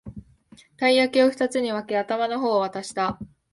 たい焼きをふたつに分け、頭の方を渡した